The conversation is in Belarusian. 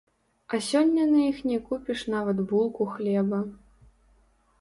А сёння на іх не купіш нават булку хлеба.